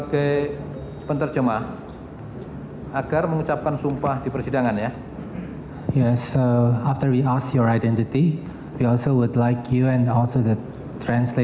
jadi kami akan mengucapkan bahasa indonesia karena itu bahasa nasional kita ya